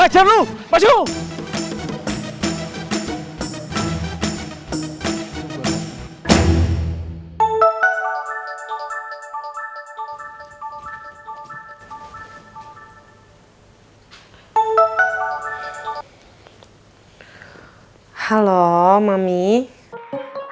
halo menantu mami yang cantik